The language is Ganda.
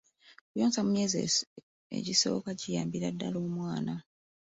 Okuyonsa mu myezi egisooka kiyambira ddala omwana.